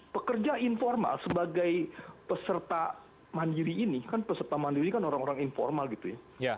pekerja informal sebagai peserta mandiri ini kan peserta mandiri kan orang orang informal gitu ya